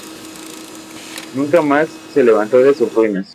Nunca más se levantó de sus ruinas.